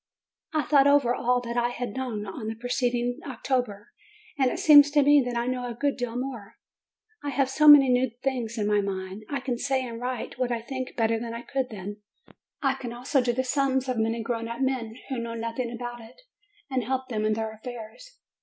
I thought over all that I had known on the preced ing October, and it seems to me that I know a good deal more : I have so many new things in my mind. I can say and write what I think better than I could then; I can also do the sums of many grown up men who know nothing about it, and help them in their af fairs.